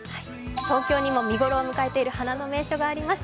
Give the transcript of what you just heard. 東京にも見頃を迎えている花の名所があります。